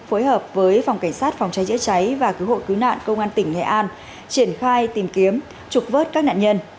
phối hợp với phòng cảnh sát phòng cháy chữa cháy và cứu hộ cứu nạn công an tỉnh nghệ an triển khai tìm kiếm trục vớt các nạn nhân